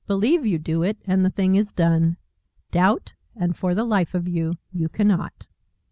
Believe you do it, and the thing is done; doubt, and, for the life of you, you cannot.